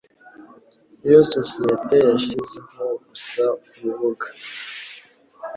Iyo sosiyete yashyizeho gusa urubuga.